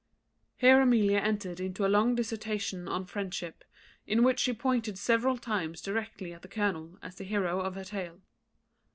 Here Amelia entered into a long dissertation on friendship, in which she pointed several times directly at the colonel as the hero of her tale.